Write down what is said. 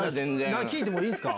何聞いてもいいんですか。